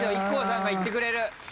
ＩＫＫＯさんがいってくれる。